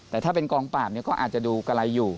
แต่ถ้าเป็นกองปราบก็อาจจะดูกะไรอยู่